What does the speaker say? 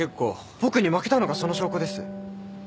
僕に負けたのがその証拠です。